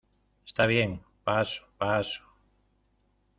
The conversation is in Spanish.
Está bien, paso , paso.